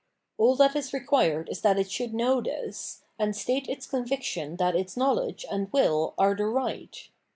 All that is required is that it should know this, and state its conviction that its knowledge and ^vill are the right.